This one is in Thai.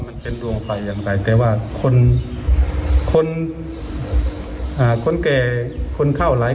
มันเป็นดวงไฟอย่างไรแต่ว่าคนคนอ่าคนแก่คนเข้าหลาย